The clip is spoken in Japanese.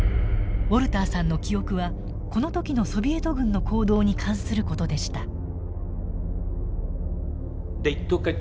ウォルターさんの記憶はこの時のソビエト軍の行動に関する事でした。